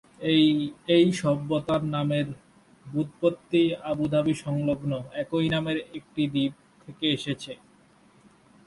এই সভ্যতার নামের ব্যুৎপত্তি আবু ধাবি সংলগ্ন একই নামের একটি দ্বীপ থেকে এসেছে।